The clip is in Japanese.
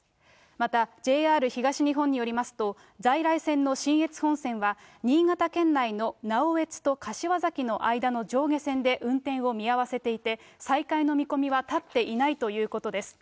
また、ＪＲ東日本によりますと、在来線の信越本線は、新潟県内の直江津と柏崎の間の上下線で運転を見合わせていて、再開の見込みは立っていないということです。